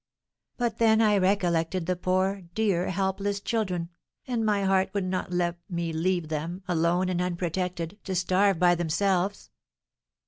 But then I recollected the poor, dear, helpless children, and my heart would not let me leave them, alone and unprotected, to starve by themselves."